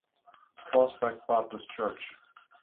Prospect Baptist Church.